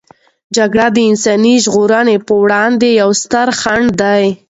جګړه د انساني ژغورنې په وړاندې یوې سترې خنډ دی.